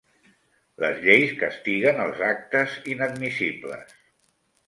Les lleis castiguen els actes inadmissibles.